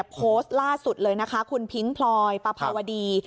โพสต์ล่าสุดเลยนะคะคุณพิ้งพลอยปภาวดี